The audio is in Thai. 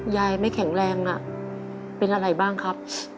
ไม่แข็งแรงเป็นอะไรบ้างครับ